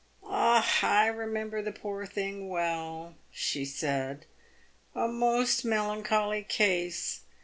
" Ah ! I remember the poor thing well," she said. " A most melancholy case